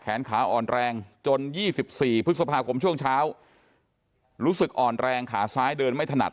ขาอ่อนแรงจน๒๔พฤษภาคมช่วงเช้ารู้สึกอ่อนแรงขาซ้ายเดินไม่ถนัด